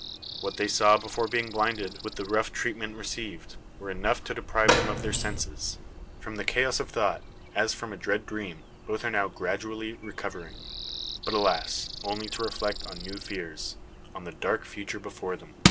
What they saw before being blinded, with the rough treatment received, were enough to deprive them of their senses. From the chaos of thought, as from a dread dream, both are now gradually recovering. But, alas! only to reflect on new fears on the dark future before them.